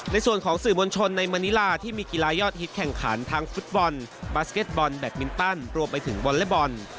ในส่วนของสื่อมวลชนในมณิลาที่มีกีฬายอดฮิตแข่งขันทางฟุตบอลบาสเก็ตบอลแบตมินตันรวมไปถึงวอเล็กบอล